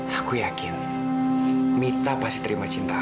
saya yakin mita pasti menerima cinta saya